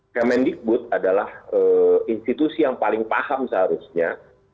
kemendikbud adalah institusi yang paling paham seharusnya